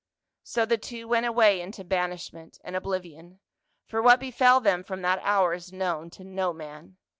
* So the two went away into banishment and obli vion — for what befell them from that hour is known to no man.